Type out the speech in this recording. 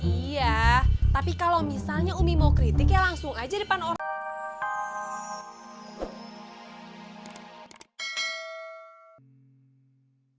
iya tapi kalau misalnya umi mau kritik ya langsung aja depan orang